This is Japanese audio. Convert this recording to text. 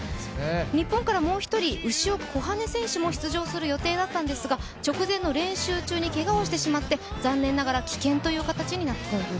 日本からもう一人、牛奥小羽選手も出場する予定だったんですが直前の練習中にけがをしてしまって、棄権という形となりました。